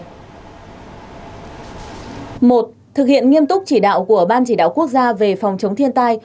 một thực hiện nghiêm túc chỉ đạo của ban chỉ đạo quốc gia về phòng chống thiên tai